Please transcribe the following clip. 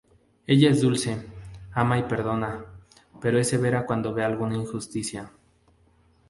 Ella es dulce, ama y perdona, pero es severa cuando ve alguna injusticia.